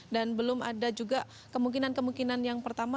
dan belum ada juga kemungkinan kemungkinan yang pertama